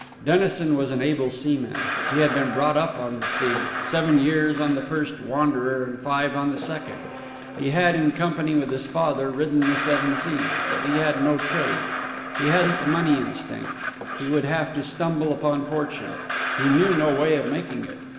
Dennison was an able seaman. He had been brought up on the sea seven years on the first Wanderer and five on the second. He had, in company with his father, ridden the seven seas. But he had no trade; he hadn't the money instinct; he would have to stumble upon fortune; he knew no way of making it.